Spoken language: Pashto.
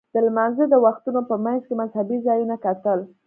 د لمانځه د وختونو په منځ کې مذهبي ځایونه کتل.